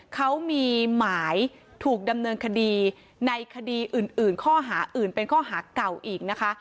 เขามีหมายถูกดำเนินคดีในคดีอื่นข้อหาอื่นเป็นข้อหาเก่าอีกนะคะ